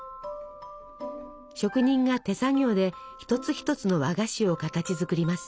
職人が手作業で一つ一つの和菓子を形づくります。